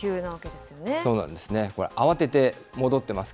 そうなんですね。